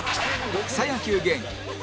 草野球芸人